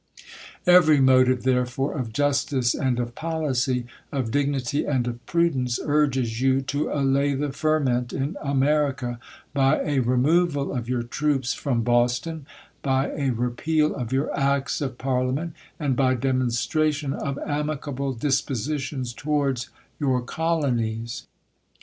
Every motive, therefore, of justice and of policy, of dignity and of prudence, urges you to allay the fer ment in America, by a removal of your troops from BovSton ; by a repeal of your acts of Parliament; and by demonstration of amicable dispositions towards your colonics.